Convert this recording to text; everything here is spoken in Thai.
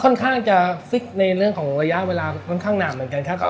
ค่อนข้างจะฟิกในเรื่องของระยะเวลาค่อนข้างนานเหมือนกันครับ